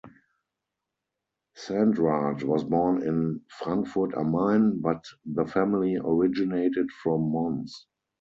Sandrart was born in Frankfurt am Main, but the family originated from Mons.